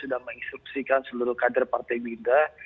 sehingga kita bisa mengintipkan seluruh kader partai gerindra